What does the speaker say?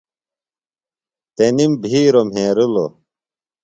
تنِم بِھیروۡ مھیرِلوۡ۔